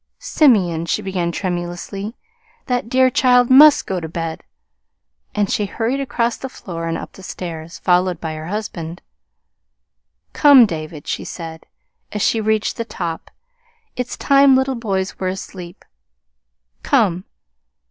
"Simeon," she began tremulously, "that dear child must go to bed!" And she hurried across the floor and up the stairs, followed by her husband. "Come, David," she said, as she reached the top; "it's time little boys were asleep! Come!"